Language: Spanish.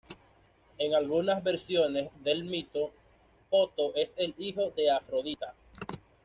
En algunas versiones del mito, Poto es el hijo de Afrodita.